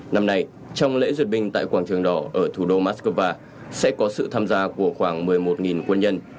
năm nay trong lễ duyệt binh tại quảng trường đỏ ở thủ đô moscow sẽ có sự tham gia của khoảng một mươi một quân nhân